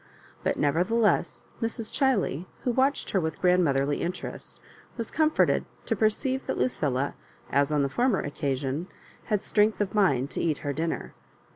But, nevertheless, Mrs. Chiley, who watched her with grandmotherly interest, was comforted to per ceive that Lucilla, as on the former occasion, had strength of mind to eat her dinner.